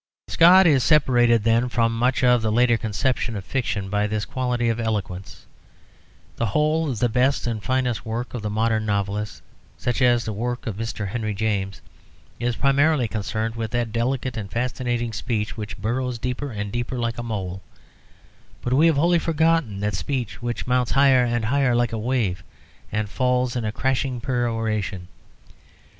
Scott is separated, then, from much of the later conception of fiction by this quality of eloquence. The whole of the best and finest work of the modern novelist (such as the work of Mr. Henry James) is primarily concerned with that delicate and fascinating speech which burrows deeper and deeper like a mole; but we have wholly forgotten that speech which mounts higher and higher like a wave and falls in a crashing peroration.